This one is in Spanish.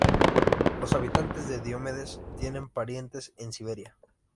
Los habitantes de Diómedes tienen parientes en Siberia.